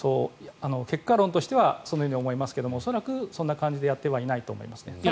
結果論としてはそのように思いますが恐らくそんな感じでやってはないと思いますね。